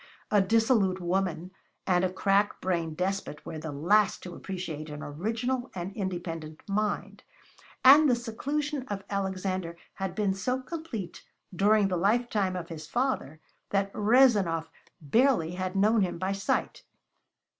A dissolute woman and a crack brained despot were the last to appreciate an original and independent mind, and the seclusion of Alexander had been so complete during the lifetime of his father that Rezanov barely had known him by sight.